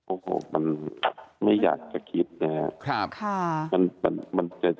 โอ้โหมันไม่อยากจะคิดแน่